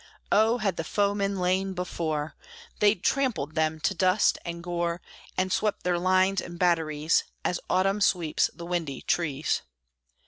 Oh! had the foemen lain before, They'd trampled them to dust and gore, And swept their lines and batteries As autumn sweeps the windy trees!